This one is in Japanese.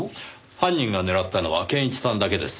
犯人が狙ったのは健一さんだけです。